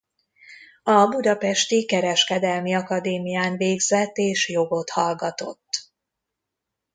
A budapesti Kereskedelmi Akadémián végzett és jogot hallgatott.